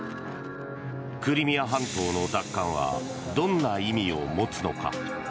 クリミア半島の奪還はどんな意味を持つのか。